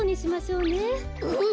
うん！